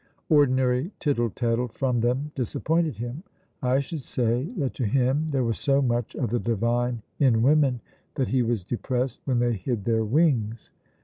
Ordinary tittle tattle from them disappointed him. I should say that to him there was so much of the divine in women that he was depressed when they hid their wings."